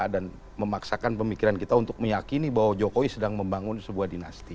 memaksakan pemikiran kita untuk meyakini bahwa jokowi sedang membangun sebuah dinasti